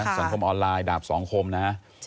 สังคมออนไลน์ดาบสองคมนะฮะ